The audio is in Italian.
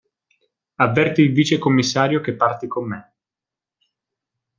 Avverti il vicecommissario che parti con me.